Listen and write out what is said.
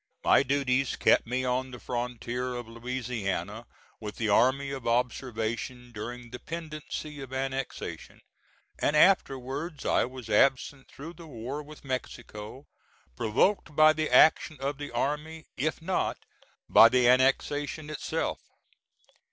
My duties kept me on the frontier of Louisiana with the Army of Observation during the pendency of Annexation; and afterwards I was absent through the war with Mexico, provoked by the action of the army, if not by the annexation itself.